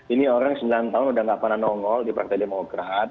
ini orang sembilan tahun udah gak pernah nongol di partai demokrat